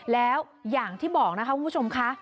แล้วอย่างที่บอกนะคะคุณผู้ชมค่ะ